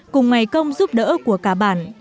cùng ngày công giúp đỡ của cả bản